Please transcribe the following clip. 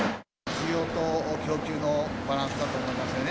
需要と供給のバランスだと思いますね。